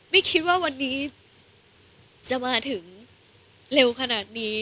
ไม่คิดว่าวันนี้จะมาถึงเร็วขนาดนี้